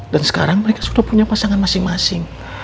dan sekarang mereka sudah punya pasangan masing masing